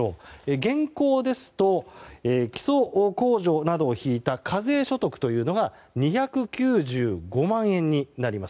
現行ですと基礎控除などを引いた課税所得が２９５万円になります。